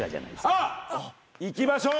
あっ！いきましょう。